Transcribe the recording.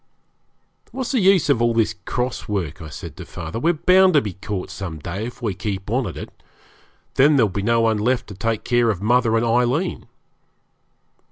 'What's the use of all this cross work?' I said to father; 'we're bound to be caught some day if we keep on at it. Then there'll be no one left to take care of mother and Aileen.'